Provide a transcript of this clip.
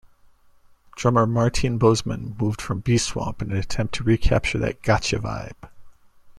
Drummer Martijn Bosman moved to Beeswamp in an attempt "to recapture that Gotcha!-vibe".